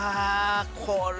これ。